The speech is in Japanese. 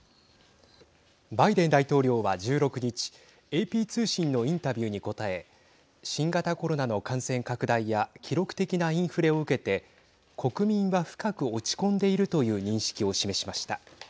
バイデン大統領は、１６日ＡＰ通信のインタビューに答え新型コロナの感染拡大や記録的なインフレを受けて国民は深く落ち込んでいるという認識を示しました。